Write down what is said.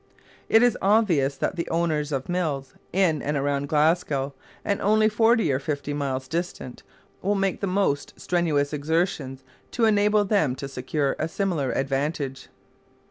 It is obvious that the owners of mills in and around Glasgow, and only forty or fifty miles distant, will make the most strenuous exertions to enable them to secure a similar advantage.